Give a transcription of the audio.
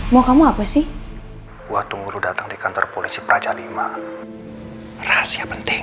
mau kamu apa sih waktu guru datang di kantor polisi praja v rahasia penting